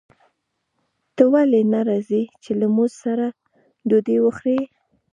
ته ولې نه راځې چې له موږ سره ډوډۍ وخورې